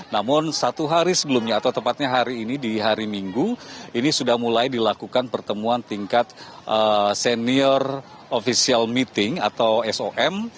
namun satu hari sebelumnya atau tepatnya hari ini di hari minggu ini sudah mulai dilakukan pertemuan tingkat senior official meeting atau som